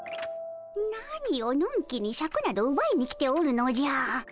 何をのんきにシャクなどうばいに来ておるのじゃ。